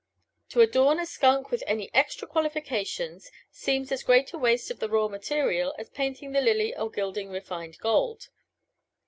To adorn a skunk with any extra qualifications seems as great a waste of the raw material as painting the lily or gilding refined gold.